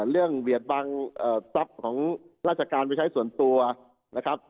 เบียดบังทรัพย์ของราชการไปใช้ส่วนตัวนะครับ